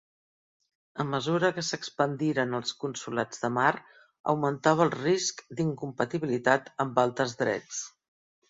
A mesura que s'expandiren els consolats de mar, augmentava el risc d'incompatibilitat amb altres drets.